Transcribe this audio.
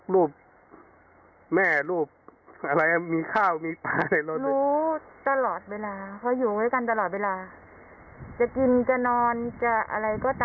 แล้วด้วยเท้าเป็นแผลด้วยอะไรหลายอย่างก็ต้องใช้รถได้เกี้ย